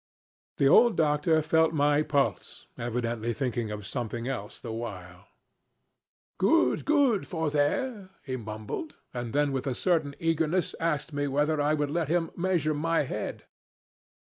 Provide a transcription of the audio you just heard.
"The old doctor felt my pulse, evidently thinking of something else the while. 'Good, good for there,' he mumbled, and then with a certain eagerness asked me whether I would let him measure my head.